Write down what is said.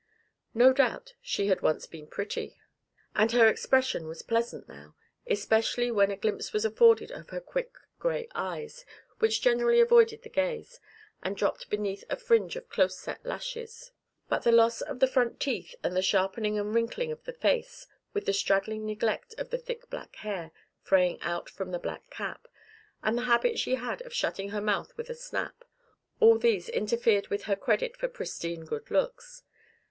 No doubt she had once been pretty, and her expression was pleasant now, especially when a glimpse was afforded of her quick grey eyes, which generally avoided the gaze, and dropped beneath a fringe of close set lashes. But the loss of the front teeth, and the sharpening and wrinkling of the face, with the straggling neglect of the thick black hair fraying out from the black cap, and the habit she had of shutting her mouth with a snap, all these interfered with her credit for pristine good looks.